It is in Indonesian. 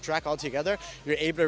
kita bisa membuat film